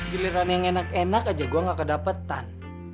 giliran yang enak enak aja gua gak kedapetan